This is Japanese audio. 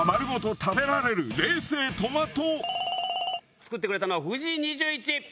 作ってくれたのは藤井２１。